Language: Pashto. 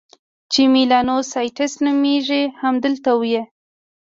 چې میلانوسایټس نومیږي، همدلته وي.